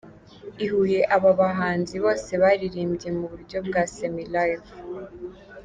I Huye aba bahanzi bose baririmbye mu buryo bwa Semi-Live.